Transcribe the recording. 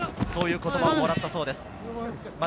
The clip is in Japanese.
そういう言葉をもらったそうです。